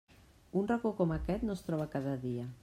Un racó com aquest no es troba cada dia.